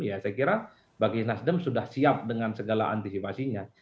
ya saya kira bagi nasdem sudah siap dengan segala antisipasinya